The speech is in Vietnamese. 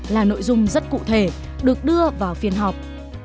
là nội dung rất cụ thể được đưa vào phiên họp